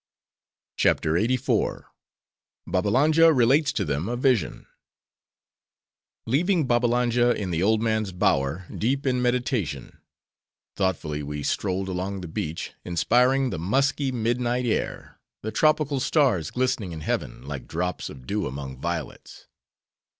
CHAPTER LXXXIV. Babbalanja Relates To Them A Vision Leaving Babbalanja in the old man's bower, deep in meditation; thoughtfully we strolled along the beach, inspiring the musky, midnight air; the tropical stars glistening in heaven, like drops of dew among violets.